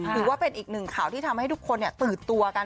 หรือว่าเป็นอีก๑ข่าวที่ทำให้ทุกคนเนี่ยตื่นตัวกัน